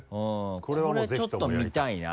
これちょっと見たいな。